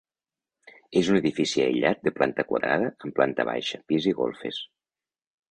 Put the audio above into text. És un edifici aïllat de planta quadrada amb planta baixa, pis i golfes.